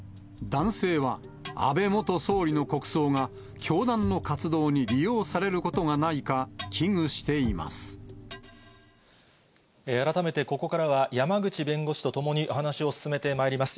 男性は、安倍元総理の国葬が、教団の活動に利用されることがないか、改めてここからは、山口弁護士と共にお話を進めてまいります。